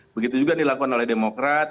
begitu juga dilakukan oleh demokrat